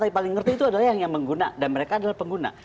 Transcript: tapi paling ngerti itu adalah yang mengguna dan mereka adalah pengguna